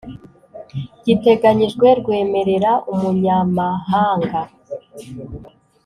Giteganyijwe rwemerera umunyamahanga